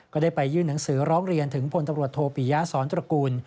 ก็ได้ไปยื่นหนังสือร้องเรียนถึงพลตำรวจโทปิยะสอนตระกูล